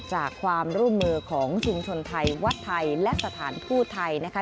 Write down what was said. จากความร่วมมือของชุมชนไทยวัดไทยและสถานทูตไทยนะคะ